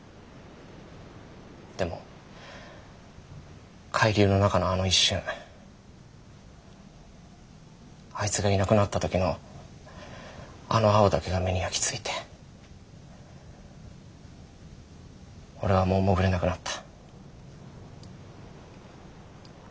でも海流の中のあの一瞬あいつがいなくなった時のあの青だけが目に焼き付いて俺はもう潜れなくなった。